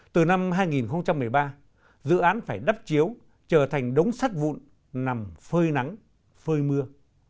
từ năm hai nghìn một mươi ba dự án phải đắp chiếu trở thành đống sắt vụn nằm phơi nắng phơi mưa